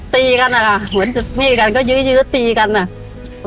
ตีกันอะค่ะเหมือนจะมีกันก็ยื้อตีกันอะ